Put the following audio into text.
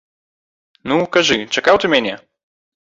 Ну, кажы, чакаў ты мяне?